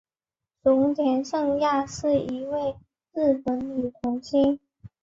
熊田圣亚是一位日本女童星。